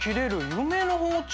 夢の包丁」？